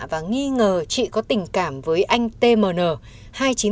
và nghi ngờ chị có tình cảm với anh tmn